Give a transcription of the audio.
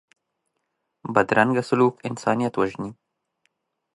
بدرنګه سلوک انسانیت وژني